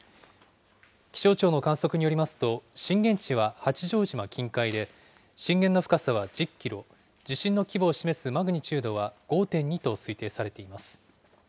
気象庁の観測によりますと、震源地は八丈島近海で、震源の深さは１０キロ、地震の規模を示すマグニチュードは５．２と推定されています。